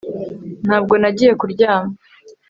ntabwo nagiye kuryama